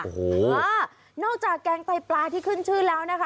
โอ้โหนอกจากแกงไตปลาที่ขึ้นชื่อแล้วนะคะ